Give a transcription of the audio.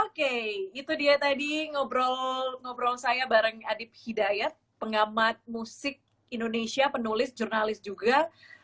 oke itu dia tadi ngobrol ngobrol saya bareng adib hidayat pengamat musik indonesia penulis jurnalis juga